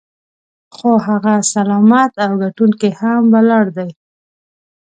خو هغه سلامت او ګټونکی هم ولاړ دی.